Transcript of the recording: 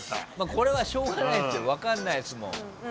これは、しょうがないですよ。分かんないですもん。